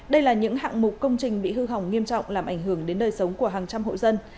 đây là những hạng mục công trình bị hư hỏng nghiêm trọng làm ảnh hưởng đến đời sống của hàng trăm hộ dân